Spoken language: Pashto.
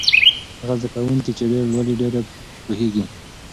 هغه زده کوونکی چې ډېر لولي ډېر پوهېږي.